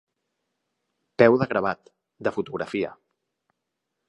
Peu de gravat, de fotografia.